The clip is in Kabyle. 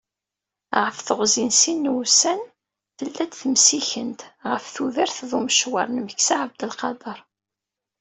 Ɣef teɣzi n sin wussan, tella-d temsikent ɣef tudert d umecwar n Meksa Ɛabdelqader.